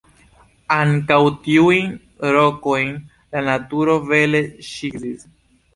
Ankaŭ tiujn rokojn la naturo bele ĉizis.